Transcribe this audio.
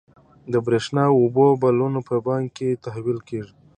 د برښنا او اوبو بلونه په بانک کې تحویل کیږي.